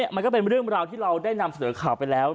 มันก็เป็นเรื่องราวที่เราได้นำเสนอข่าวไปแล้ว